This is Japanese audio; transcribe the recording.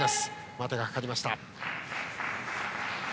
待てがかかりました。